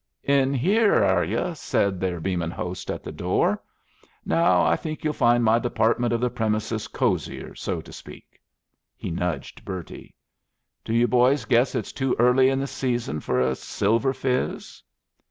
'" "In here, are you?" said their beaming host at the door. "Now, I think you'd find my department of the premises cosier, so to speak." He nudged Bertie. "Do you boys guess it's too early in the season for a silver fizz?"